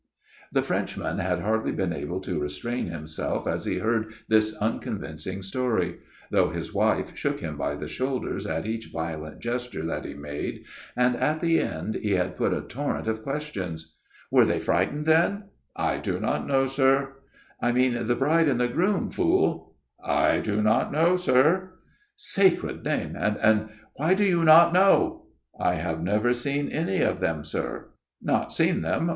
" The Frenchman had hardly been able to restrain himself as he heard this unconvincing story ; though his wife shook him by the shoulders at each violent gesture that he made, and at the end he had put a torrent of questions. "' Were they frightened then ?' MY OWN TALE 293 "' I do not know, sir.' "' I mean the bride and bridegroom, fool !'"' I do not know, sir.' "' Sacred name and and why do you not know?' "' I have never seen any of them, sir.' "' Not seen them